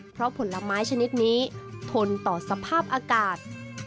เพราะผลไม้ชนิดนี้ทนต่อสภาพอากาศ